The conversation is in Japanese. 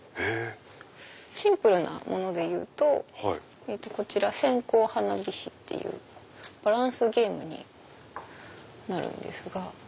シンプルなものでいうとこちらセンコウハナビシっていうバランスゲームになるんですが。